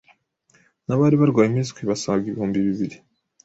n’abari barwaye impiswi basaga ibihumbi bibiri